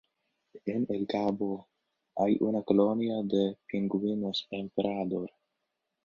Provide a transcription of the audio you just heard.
En el cabo hay una colonia de pingüinos emperador.